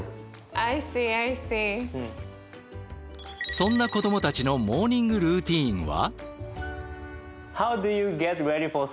そんな子どもたちのモーニングルーティーンは？